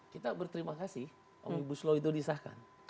kita berterima kasih om ibu slow itu disahkan